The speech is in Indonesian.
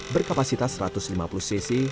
berkapasitas satu ratus lima puluh cc